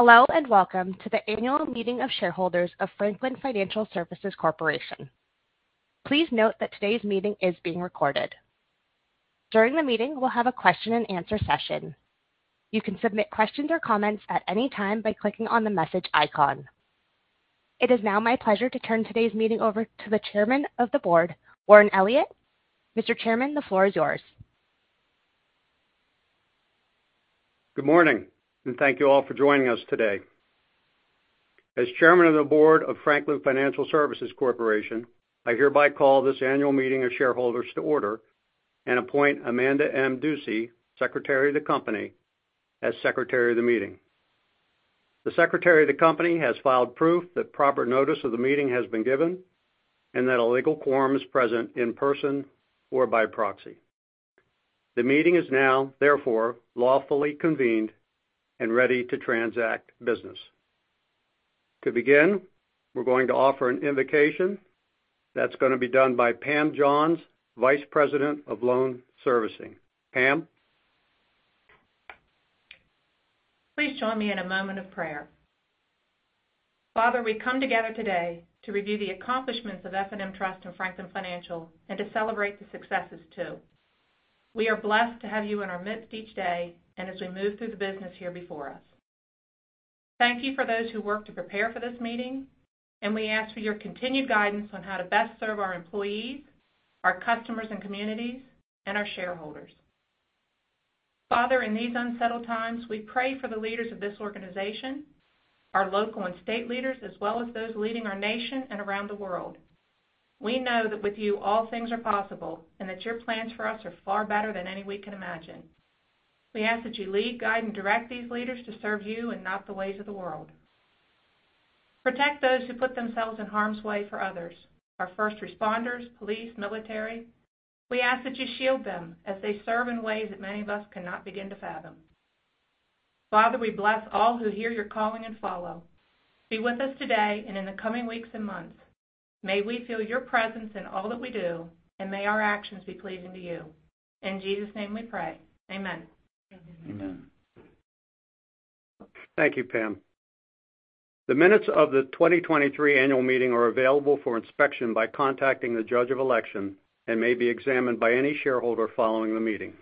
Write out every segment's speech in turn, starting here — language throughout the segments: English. Hello and welcome to the Annual Meeting of Shareholders of Franklin Financial Services Corporation. Please note that today's meeting is being recorded. During the meeting, we'll have a question-and-answer session. You can submit questions or comments at any time by clicking on the message icon. It is now my pleasure to turn today's meeting over to the Chairman of the Board, Warren Elliott. Mr. Chairman, the floor is yours. Good morning, and thank you all for joining us today. As Chairman of the Board of Franklin Financial Services Corporation, I hereby call this annual meeting of shareholders to order and appoint Amanda M. Ducey, Secretary of the company, as Secretary of the meeting. The Secretary of the company has filed proof that proper notice of the meeting has been given and that a legal quorum is present in person or by proxy. The meeting is now, therefore, lawfully convened and ready to transact business. To begin, we're going to offer an invocation that's going to be done by Pam Johns, Vice President of Loan Servicing. Pam? Please join me in a moment of prayer. Father, we come together today to review the accomplishments of F&M Trust and Franklin Financial and to celebrate the successes, too. We are blessed to have you in our midst each day and as we move through the business here before us. Thank you for those who worked to prepare for this meeting, and we ask for your continued guidance on how to best serve our employees, our customers and communities, and our shareholders. Father, in these unsettled times, we pray for the leaders of this organization, our local and state leaders, as well as those leading our nation and around the world. We know that with you, all things are possible and that your plans for us are far better than any we can imagine. We ask that you lead, guide, and direct these leaders to serve you and not the ways of the world. Protect those who put themselves in harm's way for others, our first responders, police, military. We ask that you shield them as they serve in ways that many of us cannot begin to fathom. Father, we bless all who hear your calling and follow. Be with us today and in the coming weeks and months. May we feel your presence in all that we do, and may our actions be pleasing to you. In Jesus' name we pray. Amen. Amen. Thank you, Pam. The minutes of the 2023 annual meeting are available for inspection by contacting the judge of election and may be examined by any shareholder following the meeting.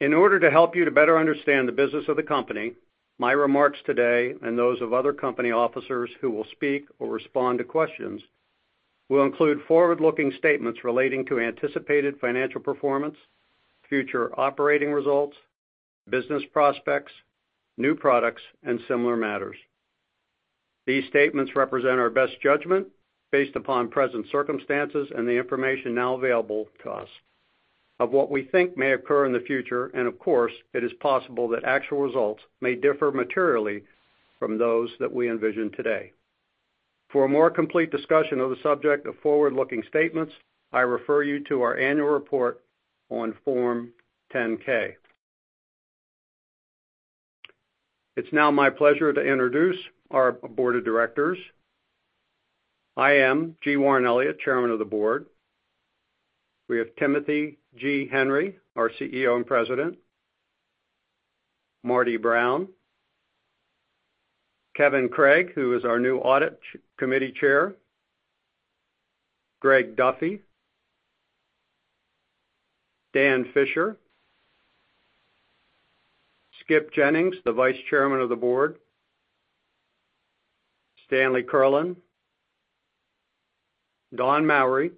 In order to help you to better understand the business of the company, my remarks today and those of other company officers who will speak or respond to questions will include forward-looking statements relating to anticipated financial performance, future operating results, business prospects, new products, and similar matters. These statements represent our best judgment based upon present circumstances and the information now available to us, of what we think may occur in the future, and of course, it is possible that actual results may differ materially from those that we envision today. For a more complete discussion of the subject of forward-looking statements, I refer you to our annual report on Form 10-K. It's now my pleasure to introduce our board of directors. I am G. Warren Elliott, chairman of the board. We have Timothy G. Henry, our CEO and president, Marty Brown, Kevin Craig, who is our new audit committee chair, Greg Duffy, Dan Fisher, Skip Jennings, the vice chairman of the board, Stanley Kerlin, Don Mowery,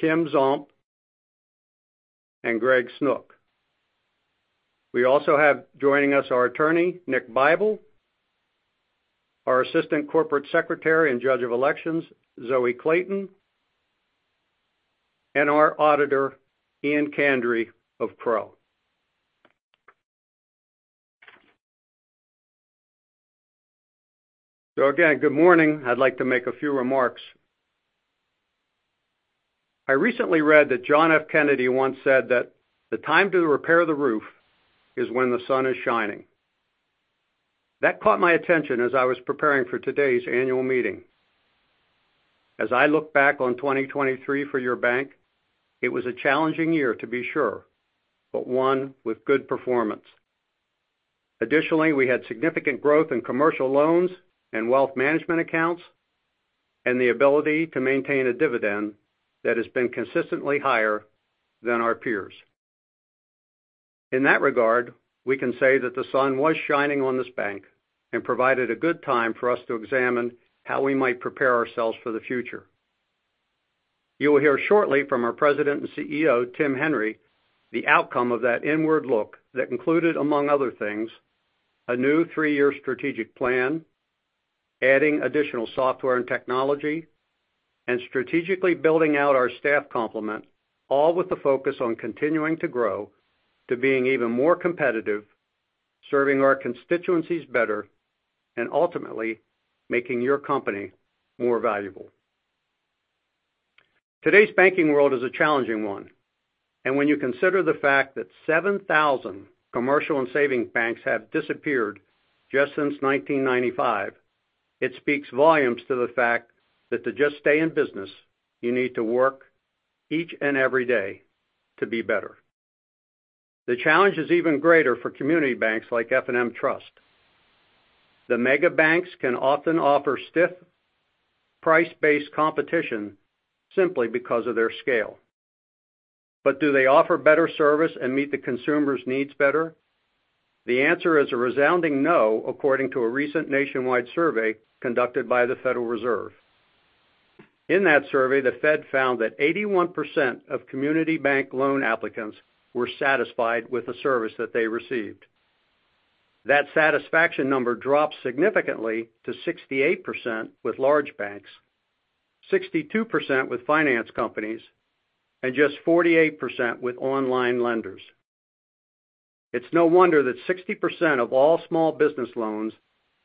Kim Zomp, and Greg Snook. We also have joining us our attorney, Nick Bybel, our assistant corporate secretary and judge of elections, Zoe Clayton, and our auditor, Ian Conry of Crowe. So again, good morning. I'd like to make a few remarks. I recently read that John F. Kennedy once said that the time to repair the roof is when the sun is shining. That caught my attention as I was preparing for today's annual meeting. As I look back on 2023 for your bank, it was a challenging year, to be sure, but one with good performance. Additionally, we had significant growth in commercial loans and wealth management accounts and the ability to maintain a dividend that has been consistently higher than our peers. In that regard, we can say that the sun was shining on this bank and provided a good time for us to examine how we might prepare ourselves for the future. You will hear shortly from our President and CEO, Tim Henry, the outcome of that inward look that included, among other things, a new three-year strategic plan, adding additional software and technology, and strategically building out our staff complement, all with the focus on continuing to grow to being even more competitive, serving our constituencies better, and ultimately making your company more valuable. Today's banking world is a challenging one, and when you consider the fact that 7,000 commercial and savings banks have disappeared just since 1995, it speaks volumes to the fact that to just stay in business, you need to work each and every day to be better. The challenge is even greater for community banks like F&M Trust. The mega banks can often offer stiff price-based competition simply because of their scale. But do they offer better service and meet the consumer's needs better? The answer is a resounding no, according to a recent nationwide survey conducted by the Federal Reserve. In that survey, the Fed found that 81% of community bank loan applicants were satisfied with the service that they received. That satisfaction number drops significantly to 68% with large banks, 62% with finance companies, and just 48% with online lenders. It's no wonder that 60% of all small business loans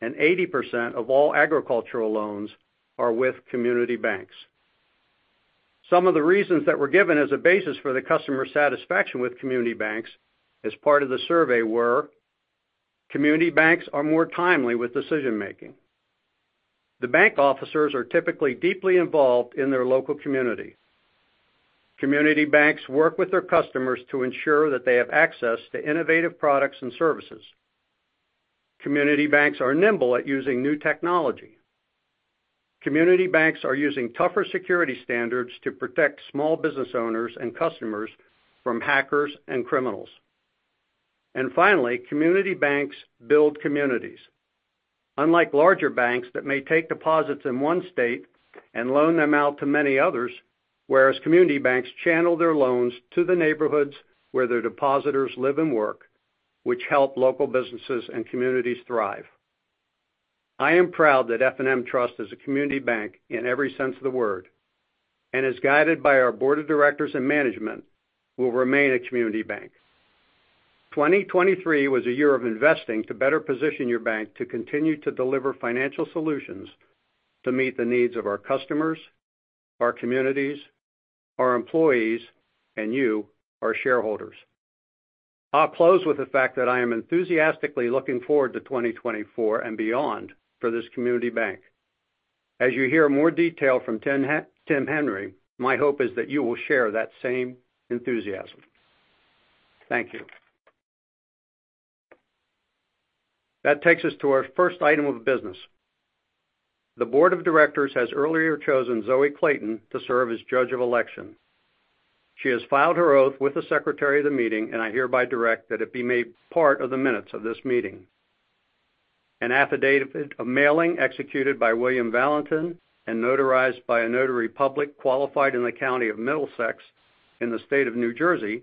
and 80% of all agricultural loans are with community banks. Some of the reasons that were given as a basis for the customer satisfaction with community banks as part of the survey were: community banks are more timely with decision-making. The bank officers are typically deeply involved in their local community. Community banks work with their customers to ensure that they have access to innovative products and services. Community banks are nimble at using new technology. Community banks are using tougher security standards to protect small business owners and customers from hackers and criminals. Finally, community banks build communities. Unlike larger banks that may take deposits in one state and loan them out to many others, whereas community banks channel their loans to the neighborhoods where their depositors live and work, which help local businesses and communities thrive. I am proud that F&M Trust is a community bank in every sense of the word and, as guided by our board of directors and management, will remain a community bank. 2023 was a year of investing to better position your bank to continue to deliver financial solutions to meet the needs of our customers, our communities, our employees, and you, our shareholders. I'll close with the fact that I am enthusiastically looking forward to 2024 and beyond for this community bank. As you hear more detail from Tim Henry, my hope is that you will share that same enthusiasm. Thank you. That takes us to our first item of business. The board of directors has earlier chosen Zoe Clayton to serve as judge of election. She has filed her oath with the secretary of the meeting, and I hereby direct that it be made part of the minutes of this meeting. An affidavit of mailing executed by William Valentin and notarized by a notary public qualified in the county of Middlesex in the state of New Jersey,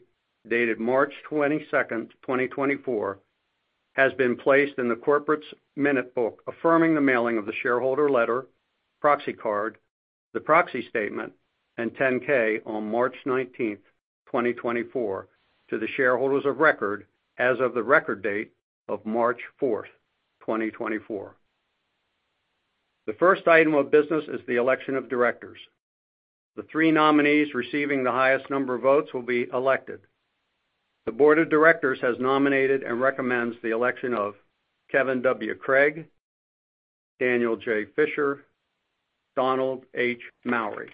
dated March 22, 2024, has been placed in the corporation's minute book, affirming the mailing of the shareholder letter, proxy card, the proxy statement, and 10-K on March 19, 2024, to the shareholders of record as of the record date of March 4, 2024. The first item of business is the election of directors. The three nominees receiving the highest number of votes will be elected. The board of directors has nominated and recommends the election of Kevin W. Craig, Daniel J. Fisher, Donald H. Mowery.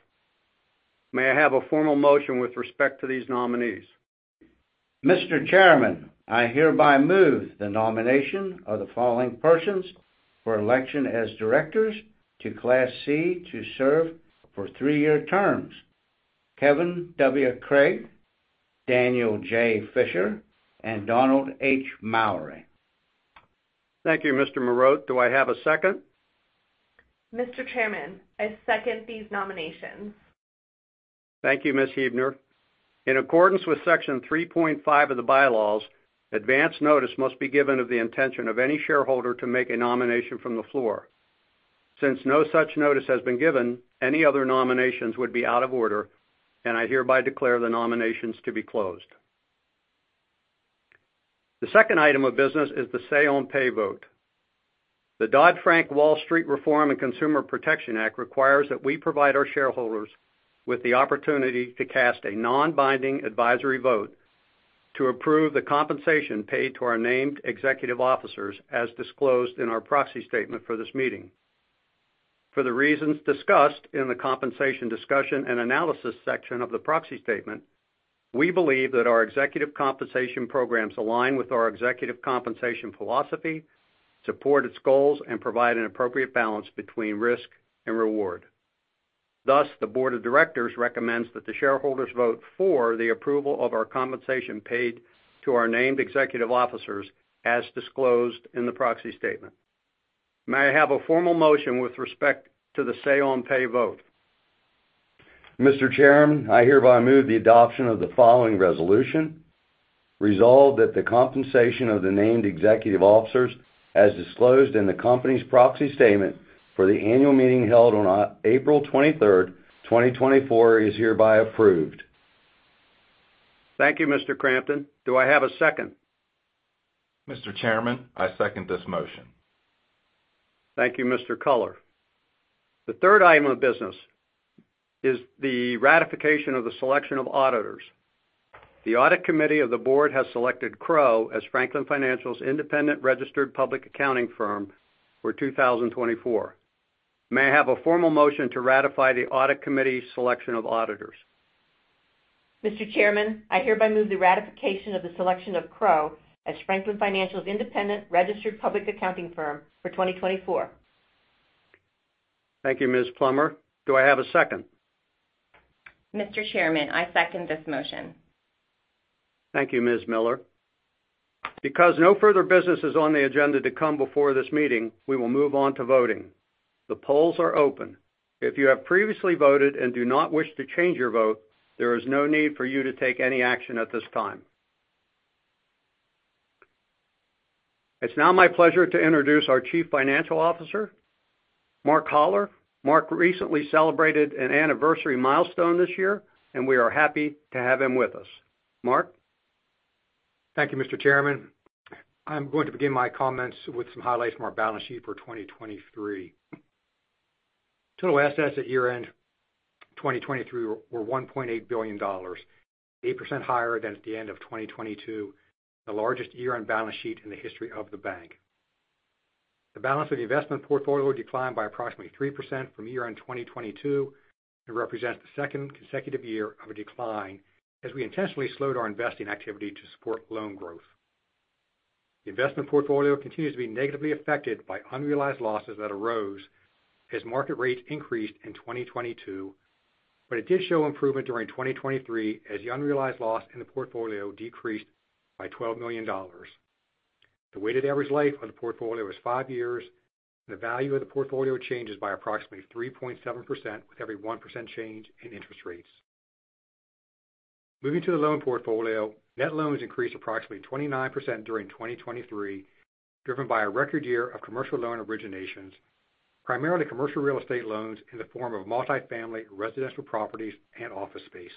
May I have a formal motion with respect to these nominees? Mr. Chairman, I hereby move the nomination of the following persons for election as directors to Class C to serve for three-year terms: Kevin W. Craig, Daniel J. Fisher, and Donald H. Mowery. Thank you, Mr. Mirot. Do I have a second? Mr. Chairman, I second these nominations. Thank you, Ms. Heebner. In accordance with Section 3.5 of the bylaws, advance notice must be given of the intention of any shareholder to make a nomination from the floor. Since no such notice has been given, any other nominations would be out of order, and I hereby declare the nominations to be closed. The second item of business is the say-on-pay vote. The Dodd-Frank Wall Street Reform and Consumer Protection Act requires that we provide our shareholders with the opportunity to cast a non-binding advisory vote to approve the compensation paid to our named executive officers as disclosed in our proxy statement for this meeting. For the reasons discussed in the compensation discussion and analysis section of the proxy statement, we believe that our executive compensation programs align with our executive compensation philosophy, support its goals, and provide an appropriate balance between risk and reward. Thus, the board of directors recommends that the shareholders vote for the approval of our compensation paid to our named executive officers as disclosed in the proxy statement. May I have a formal motion with respect to the say-on-pay vote? Mr. Chairman, I hereby move the adoption of the following resolution: resolve that the compensation of the named executive officers as disclosed in the company's Proxy Statement for the annual meeting held on April 23, 2024, is hereby approved. Thank you, Mr. Crampton. Do I have a second? Mr. Chairman, I second this motion. Thank you, Mr. Culler. The third item of business is the ratification of the selection of auditors. The audit committee of the board has selected Crowe as Franklin Financial's independent registered public accounting firm for 2024. May I have a formal motion to ratify the audit committee selection of auditors? Mr. Chairman, I hereby move the ratification of the selection of Crowe as Franklin Financial's independent registered public accounting firm for 2024. Thank you, Ms. Plummer. Do I have a second? Mr. Chairman, I second this motion. Thank you, Ms. Miller. Because no further business is on the agenda to come before this meeting, we will move on to voting. The polls are open. If you have previously voted and do not wish to change your vote, there is no need for you to take any action at this time. It's now my pleasure to introduce our Chief Financial Officer, Mark Hollar. Mark recently celebrated an anniversary milestone this year, and we are happy to have him with us. Mark? Thank you, Mr. Chairman. I'm going to begin my comments with some highlights from our balance sheet for 2023. Total assets at year-end 2023 were $1.8 billion, 8% higher than at the end of 2022, the largest year-end balance sheet in the history of the bank. The balance of the investment portfolio declined by approximately 3% from year-end 2022 and represents the second consecutive year of a decline as we intentionally slowed our investing activity to support loan growth. The investment portfolio continues to be negatively affected by unrealized losses that arose as market rates increased in 2022, but it did show improvement during 2023 as the unrealized loss in the portfolio decreased by $12 million. The weighted average life of the portfolio is five years, and the value of the portfolio changes by approximately 3.7% with every 1% change in interest rates. Moving to the loan portfolio, net loans increased approximately 29% during 2023, driven by a record year of commercial loan originations, primarily commercial real estate loans in the form of multifamily residential properties and office space.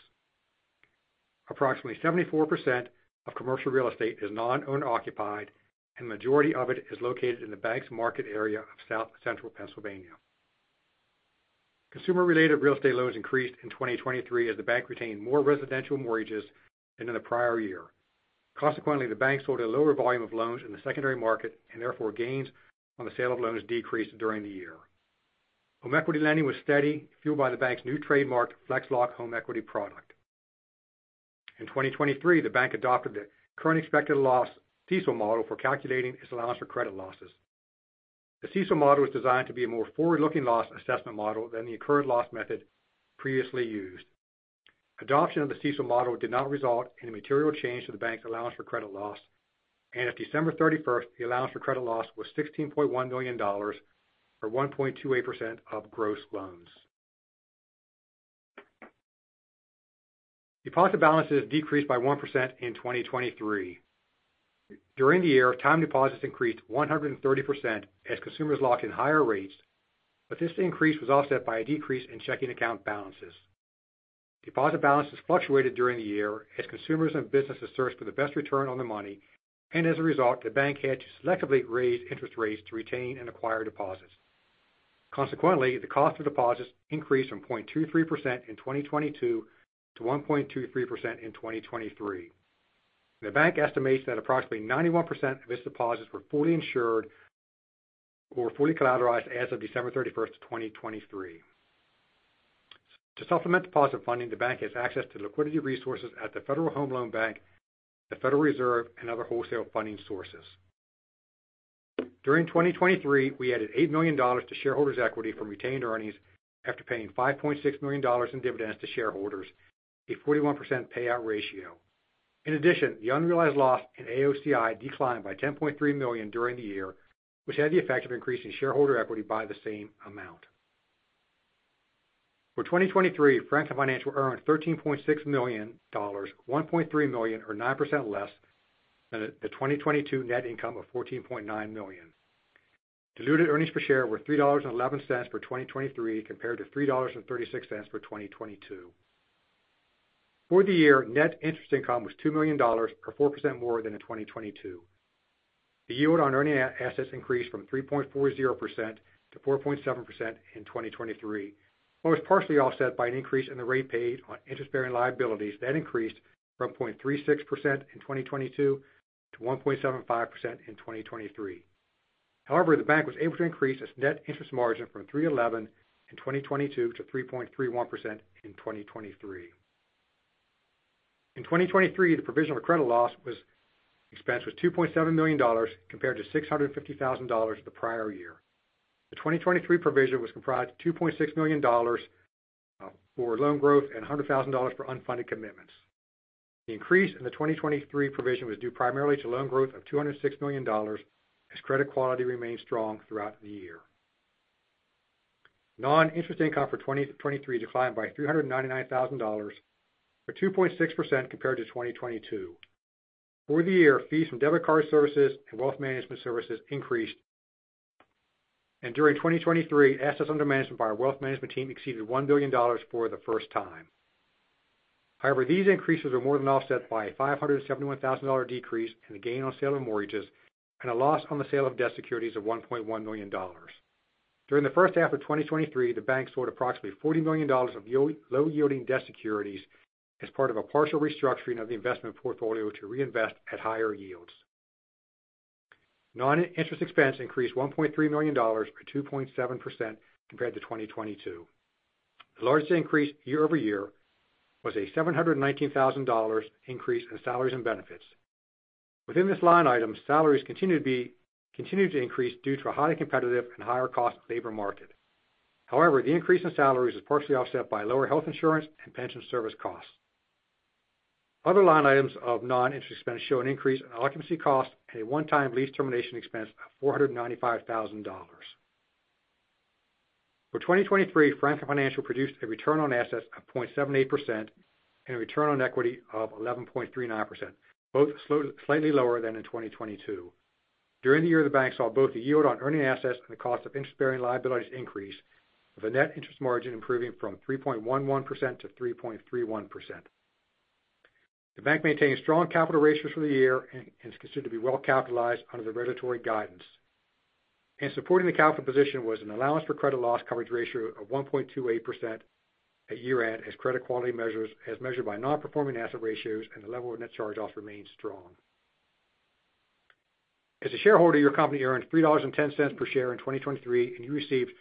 Approximately 74% of commercial real estate is non-owner-occupied, and the majority of it is located in the bank's market area of South Central Pennsylvania. Consumer-related real estate loans increased in 2023 as the bank retained more residential mortgages than in the prior year. Consequently, the bank sold a lower volume of loans in the secondary market, and therefore gains on the sale of loans decreased during the year. Home equity lending was steady, fueled by the bank's new trademarked FlexLock Home Equity product. In 2023, the bank adopted the Current Expected Credit Losses CECL model for calculating its allowance for credit losses. The CECL model is designed to be a more forward-looking loss assessment model than the incurred loss method previously used. Adoption of the CECL model did not result in a material change to the bank's allowance for credit loss, and as of December 31, 2023, the allowance for credit loss was $16.1 million or 1.28% of gross loans. Deposit balances decreased by 1% in 2023. During the year, time deposits increased 130% as consumers locked in higher rates, but this increase was offset by a decrease in checking account balances. Deposit balances fluctuated during the year as consumers and businesses searched for the best return on the money, and as a result, the bank had to selectively raise interest rates to retain and acquire deposits. Consequently, the cost of deposits increased from 0.23% in 2022 to 1.23% in 2023. The bank estimates that approximately 91% of its deposits were fully insured or fully collateralized as of December 31, 2023. To supplement deposit funding, the bank has access to liquidity resources at the Federal Home Loan Bank, the Federal Reserve, and other wholesale funding sources. During 2023, we added $8 million to shareholders' equity from retained earnings after paying $5.6 million in dividends to shareholders, a 41% payout ratio. In addition, the unrealized loss in AOCI declined by $10.3 million during the year, which had the effect of increasing shareholder equity by the same amount. For 2023, Franklin Financial earned $13.6 million, $1.3 million or 9% less than the 2022 net income of $14.9 million. Diluted earnings per share were $3.11 for 2023 compared to $3.36 for 2022. For the year, net interest income was $2 million or 4% more than in 2022. The yield on earning assets increased from 3.40% to 4.7% in 2023, but was partially offset by an increase in the rate paid on interest-bearing liabilities that increased from 0.36% in 2022 to 1.75% in 2023. However, the bank was able to increase its net interest margin from 3.11% in 2022 to 3.31% in 2023. In 2023, the provision for credit losses expense was $2.7 million compared to $650,000 the prior year. The 2023 provision was comprised of $2.6 million for loan growth and $100,000 for unfunded commitments. The increase in the 2023 provision was due primarily to loan growth of $206 million as credit quality remained strong throughout the year. Non-interest income for 2023 declined by $399,000 or 2.6% compared to 2022. For the year, fees from debit card services and wealth management services increased, and during 2023, assets under management by our wealth management team exceeded $1 billion for the first time. However, these increases were more than offset by a $571,000 decrease in the gain on sale of mortgages and a loss on the sale of debt securities of $1.1 million. During the first half of 2023, the bank sold approximately $40 million of low-yielding debt securities as part of a partial restructuring of the investment portfolio to reinvest at higher yields. Non-interest expense increased $1.3 million or 2.7% compared to 2022. The largest increase year-over-year was a $719,000 increase in salaries and benefits. Within this line item, salaries continued to increase due to a highly competitive and higher-cost labor market. However, the increase in salaries was partially offset by lower health insurance and pension service costs. Other line items of non-interest expense show an increase in occupancy costs and a one-time lease termination expense of $495,000. For 2023, Franklin Financial produced a return on assets of 0.78% and a return on equity of 11.39%, both slightly lower than in 2022. During the year, the bank saw both the yield on earning assets and the cost of interest-bearing liabilities increase, with a net interest margin improving from 3.11% to 3.31%. The bank maintained strong capital ratios for the year and is considered to be well-capitalized under the regulatory guidance. In supporting the capital position, was an allowance for credit loss coverage ratio of 1.28% at year-end as credit quality measures as measured by non-performing asset ratios, and the level of net charge-off remained strong. As a shareholder, your company earned $3.10 per share in 2023, and you received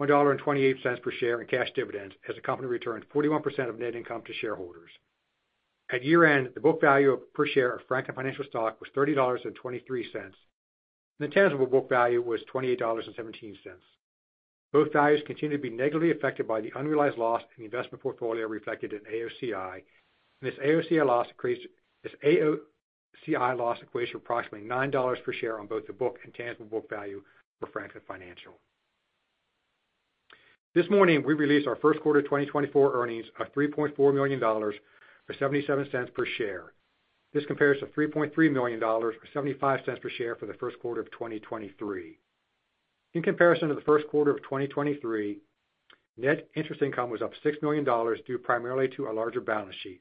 $1.28 per share in cash dividends as the company returned 41% of net income to shareholders. At year-end, the book value per share of Franklin Financial stock was $30.23, and the tangible book value was $28.17. Both values continue to be negatively affected by the unrealized loss in the investment portfolio reflected in AOCI, and this AOCI loss creates this AOCI loss equation of approximately $9 per share on both the book and tangible book value for Franklin Financial. This morning, we released our first quarter 2024 earnings of $3.4 million or $0.77 per share. This compares to $3.3 million or $0.75 per share for the first quarter of 2023. In comparison to the first quarter of 2023, net interest income was up $6 million due primarily to a larger balance sheet.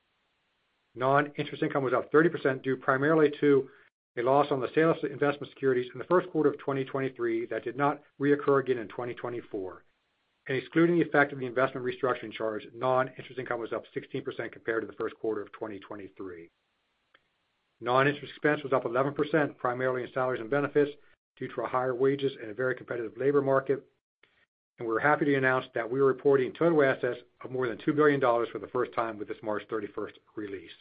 Non-interest income was up 30% due primarily to a loss on the sale of investment securities in the first quarter of 2023 that did not reoccur again in 2024. Excluding the effect of the investment restructuring charge, non-interest income was up 16% compared to the first quarter of 2023. Non-interest expense was up 11% primarily in salaries and benefits due to higher wages and a very competitive labor market, and we are happy to announce that we are reporting total assets of more than $2 billion for the first time with this March 31 release.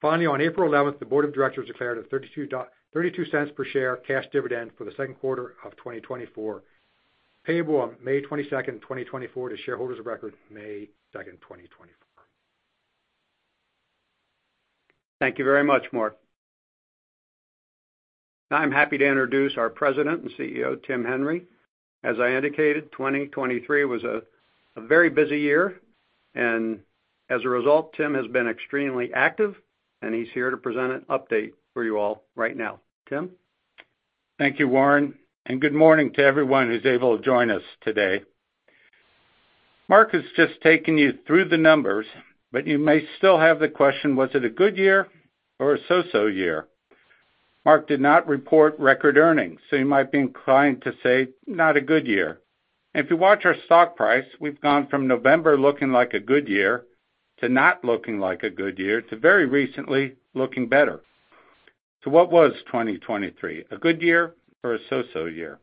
Finally, on April 11, the board of directors declared a $0.32 per share cash dividend for the second quarter of 2024. Payable on May 22, 2024, to shareholders of record May 2, 2024. Thank you very much, Mark. Now I'm happy to introduce our President and CEO, Tim Henry. As I indicated, 2023 was a very busy year, and as a result, Tim has been extremely active, and he's here to present an update for you all right now. Tim? Thank you, Warren, and good morning to everyone who's able to join us today. Mark has just taken you through the numbers, but you may still have the question, was it a good year or a so-so year? Mark did not report record earnings, so you might be inclined to say not a good year. If you watch our stock price, we've gone from November looking like a good year to not looking like a good year to very recently looking better. So what was 2023, a good year or a so-so year?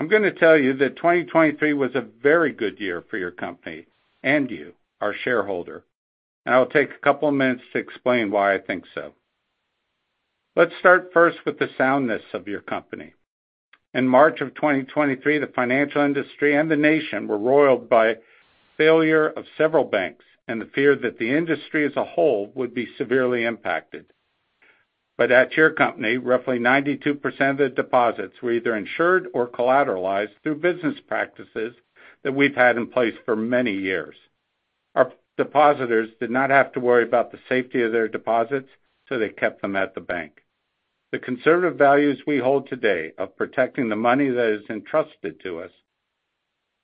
I'm going to tell you that 2023 was a very good year for your company and you, our shareholder, and I'll take a couple of minutes to explain why I think so. Let's start first with the soundness of your company. In March of 2023, the financial industry and the nation were roiled by failure of several banks and the fear that the industry as a whole would be severely impacted. But at your company, roughly 92% of the deposits were either insured or collateralized through business practices that we've had in place for many years. Our depositors did not have to worry about the safety of their deposits, so they kept them at the bank. The conservative values we hold today of protecting the money that is entrusted to us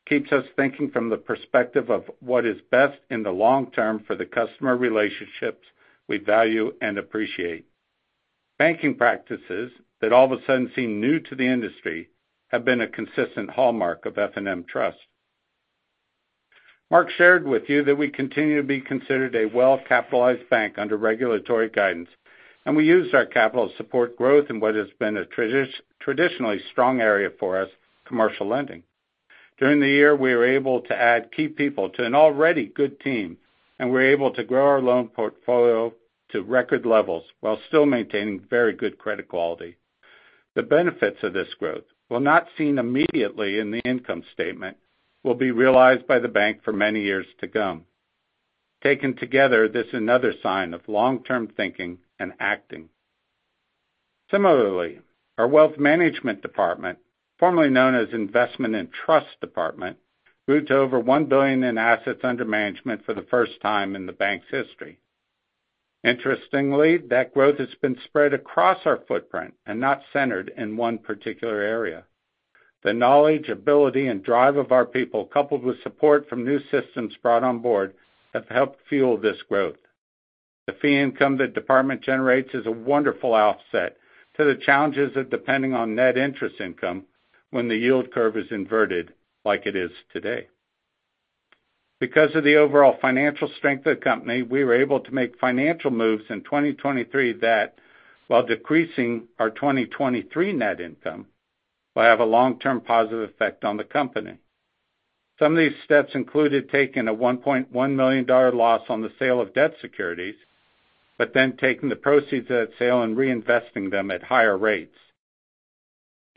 keeps us thinking from the perspective of what is best in the long term for the customer relationships we value and appreciate. Banking practices that all of a sudden seem new to the industry have been a consistent hallmark of F&M Trust. Mark shared with you that we continue to be considered a well-capitalized bank under regulatory guidance, and we use our capital to support growth in what has been a traditionally strong area for us, commercial lending. During the year, we were able to add key people to an already good team, and we were able to grow our loan portfolio to record levels while still maintaining very good credit quality. The benefits of this growth, while not seen immediately in the income statement, will be realized by the bank for many years to come. Taken together, this is another sign of long-term thinking and acting. Similarly, our wealth management department, formerly known as Investment and Trust Department, grew to over $1 billion in assets under management for the first time in the bank's history. Interestingly, that growth has been spread across our footprint and not centered in one particular area. The knowledge, ability, and drive of our people, coupled with support from new systems brought on board, have helped fuel this growth. The fee income that department generates is a wonderful offset to the challenges of depending on net interest income when the yield curve is inverted like it is today. Because of the overall financial strength of the company, we were able to make financial moves in 2023 that, while decreasing our 2023 net income, will have a long-term positive effect on the company. Some of these steps included taking a $1.1 million loss on the sale of debt securities, but then taking the proceeds of that sale and reinvesting them at higher rates.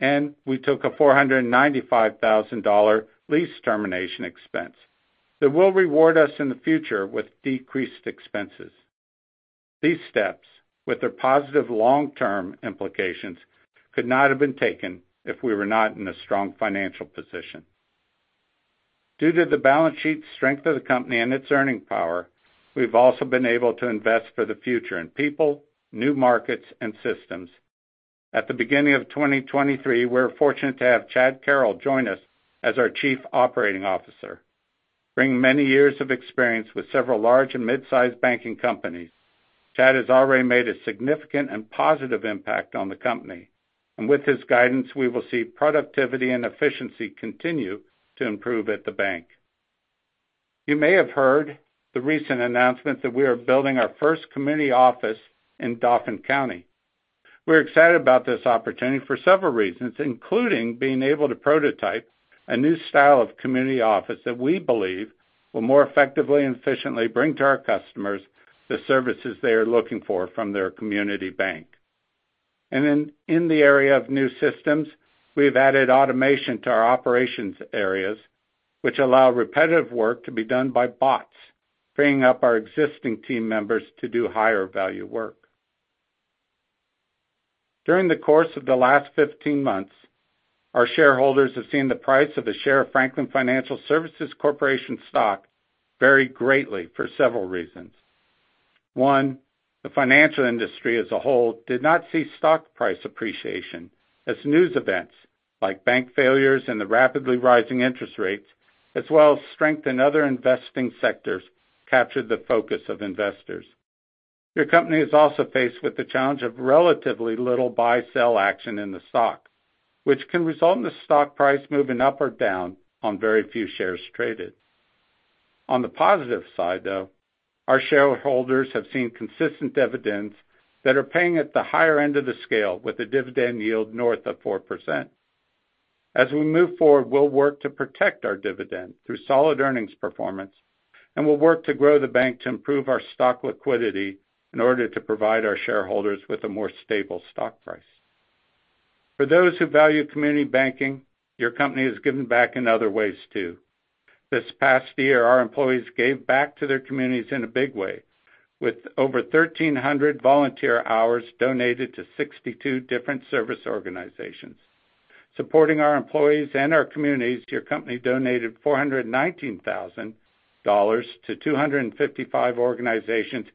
We took a $495,000 lease termination expense that will reward us in the future with decreased expenses. These steps, with their positive long-term implications, could not have been taken if we were not in a strong financial position. Due to the balance sheet strength of the company and its earning power, we've also been able to invest for the future in people, new markets, and systems. At the beginning of 2023, we were fortunate to have Chad Carroll join us as our Chief Operating Officer. Bringing many years of experience with several large and midsize banking companies, Chad has already made a significant and positive impact on the company, and with his guidance, we will see productivity and efficiency continue to improve at the bank. You may have heard the recent announcement that we are building our first community office in Dauphin County. We're excited about this opportunity for several reasons, including being able to prototype a new style of community office that we believe will more effectively and efficiently bring to our customers the services they are looking for from their community bank. In the area of new systems, we have added automation to our operations areas, which allow repetitive work to be done by bots, freeing up our existing team members to do higher-value work. During the course of the last 15 months, our shareholders have seen the price of a share of Franklin Financial Services Corporation stock vary greatly for several reasons. One, the financial industry as a whole did not see stock price appreciation as news events like bank failures and the rapidly rising interest rates, as well as strength in other investing sectors captured the focus of investors. Your company is also faced with the challenge of relatively little buy-sell action in the stock, which can result in the stock price moving up or down on very few shares traded. On the positive side, though, our shareholders have seen consistent evidence that are paying at the higher end of the scale with a dividend yield north of 4%. As we move forward, we'll work to protect our dividend through solid earnings performance, and we'll work to grow the bank to improve our stock liquidity in order to provide our shareholders with a more stable stock price. For those who value community banking, your company has given back in other ways too. This past year, our employees gave back to their communities in a big way, with over 1,300 volunteer hours donated to 62 different service organizations. Supporting our employees and our communities, your company donated $419,000 to 255 organizations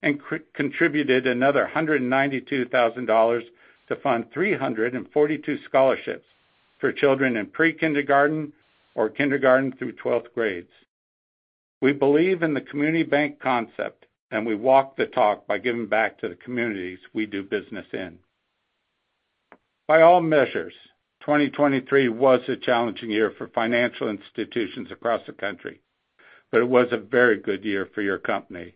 and contributed another $192,000 to fund 342 scholarships for children in pre-kindergarten or kindergarten through 12th grades. We believe in the community bank concept, and we walk the talk by giving back to the communities we do business in. By all measures, 2023 was a challenging year for financial institutions across the country, but it was a very good year for your company.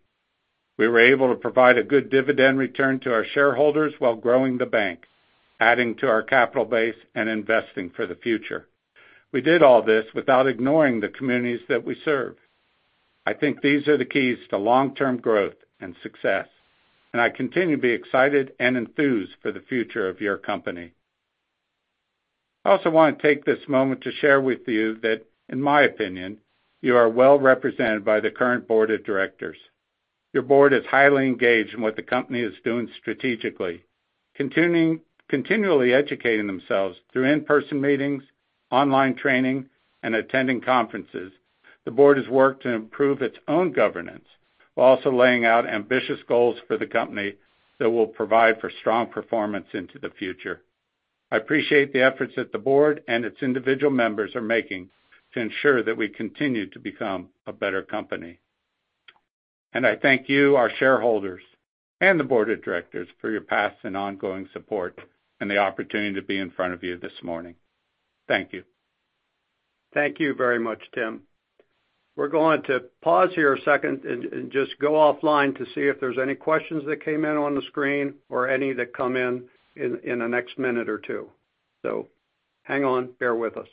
We were able to provide a good dividend return to our shareholders while growing the bank, adding to our capital base, and investing for the future. We did all this without ignoring the communities that we serve. I think these are the keys to long-term growth and success, and I continue to be excited and enthused for the future of your company. I also want to take this moment to share with you that, in my opinion, you are well-represented by the current board of directors. Your board is highly engaged in what the company is doing strategically. Continually educating themselves through in-person meetings, online training, and attending conferences, the board has worked to improve its own governance while also laying out ambitious goals for the company that will provide for strong performance into the future. I appreciate the efforts that the board and its individual members are making to ensure that we continue to become a better company. I thank you, our shareholders and the board of directors, for your past and ongoing support and the opportunity to be in front of you this morning. Thank you. Thank you very much, Tim. We're going to pause here a second and just go offline to see if there's any questions that came in on the screen or any that come in in the next minute or two. So hang on, bear with us.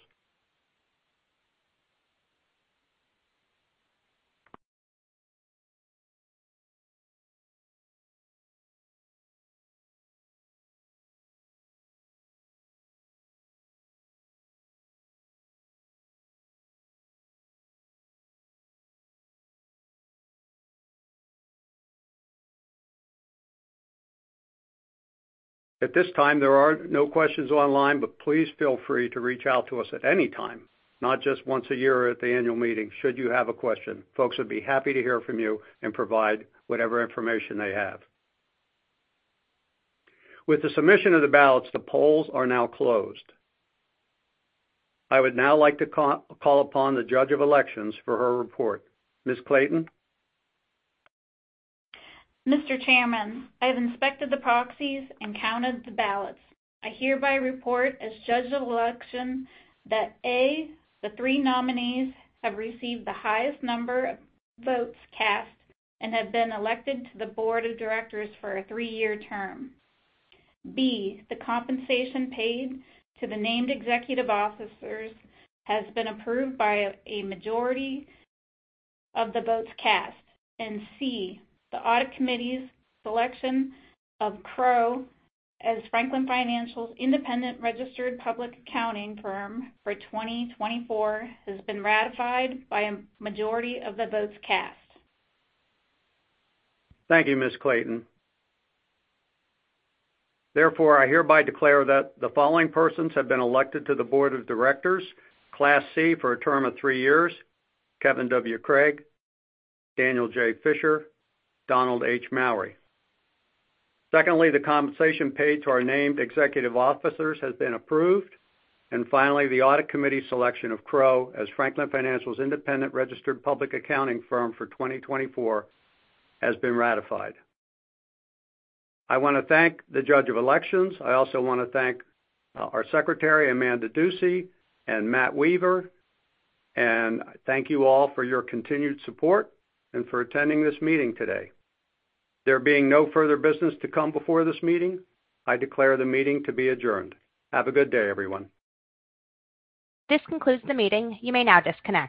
At this time, there are no questions online, but please feel free to reach out to us at any time, not just once a year at the annual meeting. Should you have a question, folks would be happy to hear from you and provide whatever information they have. With the submission of the ballots, the polls are now closed. I would now like to call upon the Judge of Elections for her report. Ms. Clayton? Mr. Chairman, I have inspected the proxies and counted the ballots. I hereby report as Judge of Election that, A, the three nominees have received the highest number of votes cast and have been elected to the board of directors for a three-year term. B, the compensation paid to the named executive officers has been approved by a majority of the votes cast. And C, the audit committee's selection of Crowe as Franklin Financial's independent registered public accounting firm for 2024 has been ratified by a majority of the votes cast. Thank you, Ms. Clayton. Therefore, I hereby declare that the following persons have been elected to the board of directors, Class C, for a term of three years: Kevin W. Craig, Daniel J. Fisher, Donald H. Mowery. Secondly, the compensation paid to our named executive officers has been approved. And finally, the audit committee's selection of Crowe as Franklin Financial's independent registered public accounting firm for 2024 has been ratified. I want to thank the Judge of Elections. I also want to thank our Secretary, Amanda Ducey, and Matt Weaver. And I thank you all for your continued support and for attending this meeting today. There being no further business to come before this meeting, I declare the meeting to be adjourned. Have a good day, everyone. This concludes the meeting. You may now disconnect.